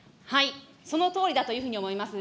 そのとおりだというふうに思います。